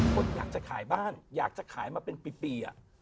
คนอยากจะขายบ้านอยากจะขายมาเป็นปี